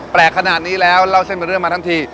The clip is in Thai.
แปลกขนาดนี้แล้วเราเส้นมันเรื่อยกันมา๙๘ครับ